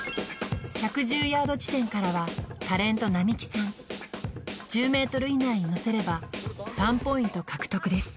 １１０ヤード地点からはタレントなみきさん１０ｍ以内に乗せれば３ポイント獲得です